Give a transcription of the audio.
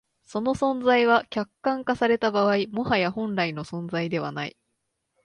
その存在は、客観化された場合、もはや本来の存在でない。